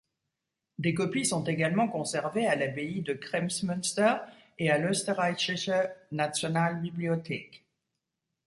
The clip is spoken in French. Des copies sont également conservées à l'Abbaye de Kremsmünster et à l'Österreichische Nationalbibliothek.